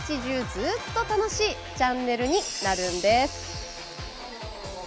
ずっと楽しいチャンネルになるんです。